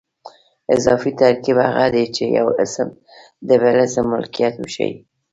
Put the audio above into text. اضافي ترکیب هغه دئ، چي یو اسم د بل اسم ملکیت وښیي.